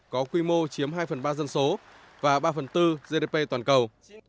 có quy mô chiếm hai phần ba dân số và ba phần tư gdp toàn cầu